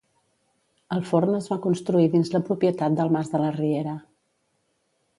El forn es va construir dins la propietat del mas de la Riera.